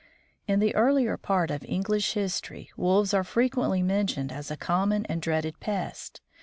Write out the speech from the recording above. In the earlier part of English history Wolves are frequently mentioned as a common and dreaded pest.